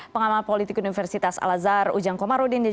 pengamal politik universitas alazar ujang komarudin